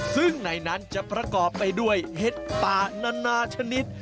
ซึ่งในนั้นจะประกอบไปด้วยเห็ดป่านานาชนิด